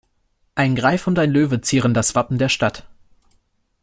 Ein Greif und ein Löwe zieren das Wappen der Stadt.